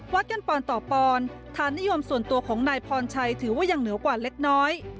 กันปอนต่อปอนฐานนิยมส่วนตัวของนายพรชัยถือว่ายังเหนือกว่าเล็กน้อย